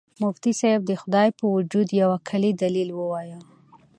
مفتي صاحب د خدای په وجود یو عقلي دلیل ووایه.